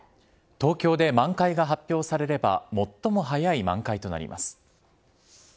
東京で満開が発表されれば、最も早い満開となります。